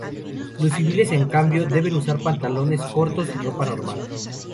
Los Civiles en cambio, deben usar pantalones cortos y ropa normal.